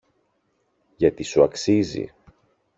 γιατί σου αξίζει.